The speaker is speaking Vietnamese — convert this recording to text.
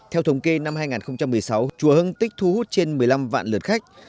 theo thống kê năm hai nghìn một mươi sáu chùa hương tích thu hút trên một mươi năm vạn lượt khách